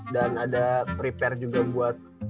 dan ada prepare juga buat